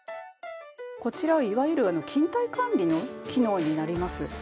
こちらはいわゆる勤怠管理の機能になります。